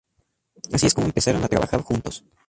Así es como empezaron a trabajar juntos.